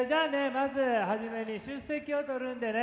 まず初めに出席を取るんでね